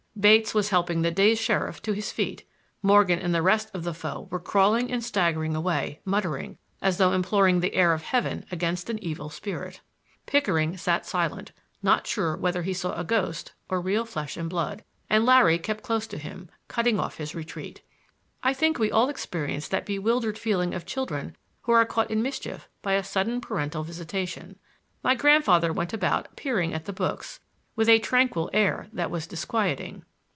Bates was helping the dazed sheriff to his feet. Morgan and the rest of the foe were crawling and staggering away, muttering, as though imploring the air of heaven against an evil spirit. Pickering sat silent, not sure whether he saw a ghost or real flesh and blood, and Larry kept close to him, cutting off his retreat. I think we all experienced that bewildered feeling of children who are caught in mischief by a sudden parental visitation. My grandfather went about peering at the books, with a tranquil air that was disquieting.